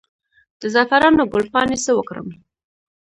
د زعفرانو ګل پاڼې څه وکړم؟